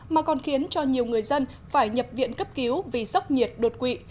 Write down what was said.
mà còn khiến cho nhiều người dân phải nhập viện cấp cứu vì sốc nhiệt đột quỵ